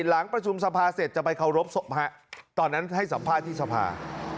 หลังประชุมสภาเสร็จจะไปเคารพศพตอนนั้นให้สัมภาษณ์ที่สภา